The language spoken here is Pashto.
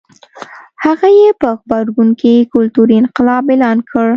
هغه یې په غبرګون کې کلتوري انقلاب اعلان کړ.